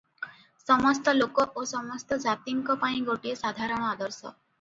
ସମସ୍ତ ଲୋକ ଓ ସମସ୍ତ ଜାତିଙ୍କ ପାଇଁ ଗୋଟିଏ ସାଧାରଣ ଆଦର୍ଶ ।